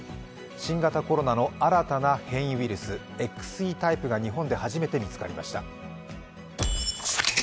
新型コロナの新たな変異ウイルス、ＸＥタイプが日本で初めて見つかりました。